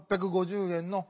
８５０円の。